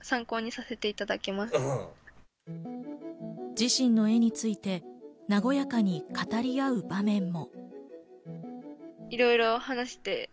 自身の絵について和やかに語り合う場面も。